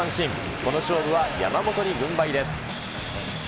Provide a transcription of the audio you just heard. この勝負は山本に軍配です。